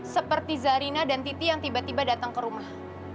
seperti zarina dan titi yang tiba tiba datang ke rumah